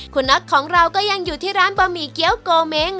คุณน็อตของเราก็ยังอยู่ที่ร้านบะหมี่เกี้ยวโกเม้ง